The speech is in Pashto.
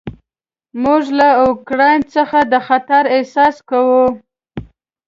موږ له اوکراین څخه د خطر احساس کوو.